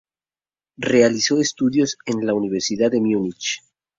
Realizó estudios en la Universidad de Múnich.